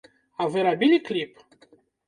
А вы рабілі кліп?